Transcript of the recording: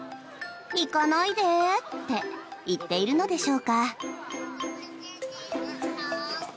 行かないで！って言っているのでしょうか。